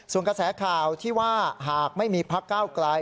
ส่วนกระแสข่าวที่ว่าหากไม่มีพักเก้าไกล